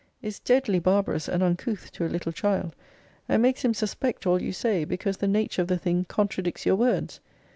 is deadly barbarous and uncouth to a little child ; and makes him suspect all you say, because the nature of the thing contradicts your words.